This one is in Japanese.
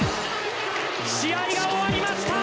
試合が終わりました！